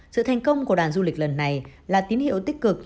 sự thành công của đàn du lịch lần này là tín hiệu tích cực